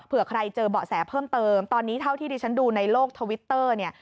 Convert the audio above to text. เพื่อใครเจอเบาะแสเพิ่มเติมตอนนี้เท่าที่ดิฉันดูในโลกทวิตเตอร์เนี่ย